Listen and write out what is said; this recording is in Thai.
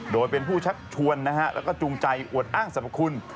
โดยเป็นผู้ชักชวนนะฮะแล้วก็จูงใจอวดอ้างสรรพคุณ